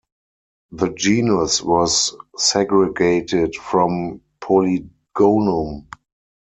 The genus was segregated from "Polygonum".